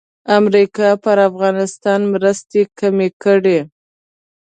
امریکا پر افغانستان مرستې کمې کړې.